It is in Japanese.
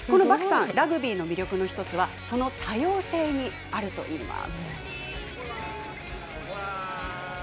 このバクさん、ラグビーの魅力の一つは、その多様性にあるといいます。